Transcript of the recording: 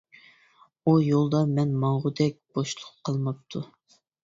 ئۇ يولدا مەن ماڭغۇدەك بوشلۇق قالماپتۇ.